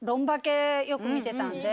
よく見てたんで。